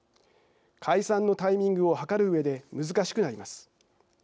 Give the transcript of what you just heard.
解散のタイミングを計るうえで難しくなります。